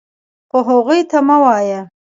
خو هغوی ته مه وایه .